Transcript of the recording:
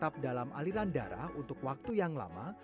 atau menetap dalam aliran darah untuk waktu yang lama